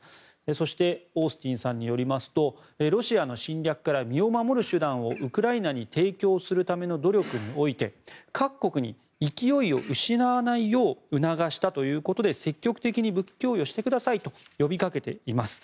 そしてオースティンさんによりますと、ロシアの侵略から身を守る手段をウクライナに提供するための努力において各国に勢いを失わないよう促したということで積極的に武器供与してくださいと呼びかけています。